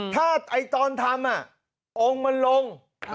ถ้าตอนทำองค์มันลง